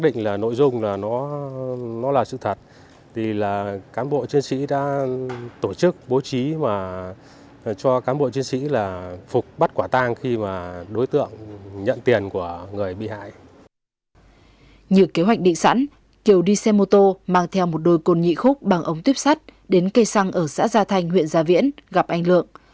như kế hoạch định sẵn kiều đi xe mô tô mang theo một đôi cồn nhị khúc bằng ống tuyếp sắt đến cây xăng ở xã gia thanh huyện gia viễn gặp anh lượng